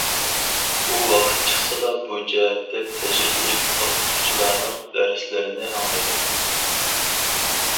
ئۇ ۋاقىت چىقسىلا بۇ جەھەتتە تەجرىبىلىك ئوقۇتقۇچىلارنىڭ دەرسلىرىنى ئاڭلىدى.